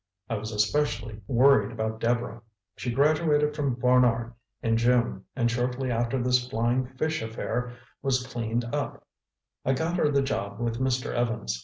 I was especially worried about Deborah. She graduated from Barnard in June, and shortly after this Flying Fish affair was cleaned up, I got her the job with Mr. Evans.